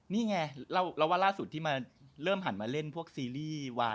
นี่ไงแล้ววันล่าสุดที่มาเริ่มหันมาเล่นพวกซีรีส์วา